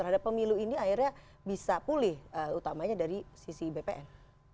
terhadap pemilu ini akhirnya bisa pulih utamanya dari sisi bpn